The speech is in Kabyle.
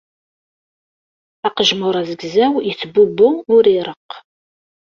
Aqejmur azgzaw yettbubbu ur ireq.